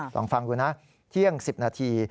ลองฟังดูนะเที่ยง๑๐นาที